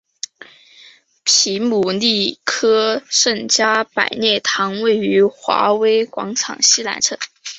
皮姆利科圣加百列堂位于华威广场西南侧。